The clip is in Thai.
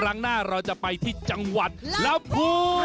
ครั้งหน้าเราจะไปที่จังหวัดลำพู